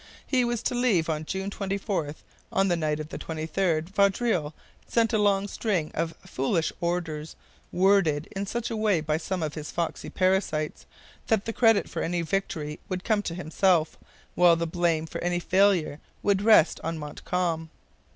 He was to leave on June 24. On the night of the 23rd Vaudreuil sent a long string of foolish orders, worded in such a way by some of his foxy parasites that the credit for any victory would come to himself, while the blame for any failure would rest on Montcalm.